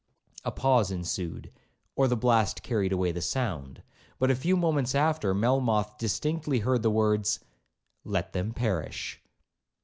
A pause ensued, or the blast carried away the sound; but a few moments after, Melmoth distinctly heard the words, 'Let them perish.'